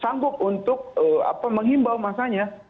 sanggup untuk menghimbau masanya